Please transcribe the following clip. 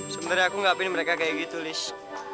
sebenernya aku ngapain mereka kayak gitu lish